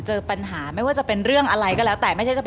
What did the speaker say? เอ้ายังไงเนี่ย